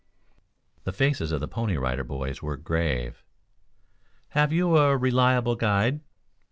The faces of the Pony Rider Boys were grave. "Have you a reliable guide?"